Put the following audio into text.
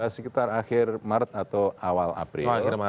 sekitar akhir maret atau awal april